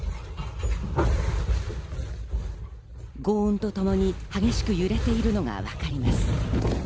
轟音とともに激しく揺れているのがわかります。